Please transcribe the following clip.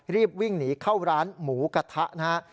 รีบวิ่งหนีเข้าร้านหมูกระทะนะฮะ